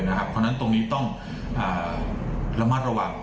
เพราะฉะนั้นตรงนี้ต้องระมัดระวัง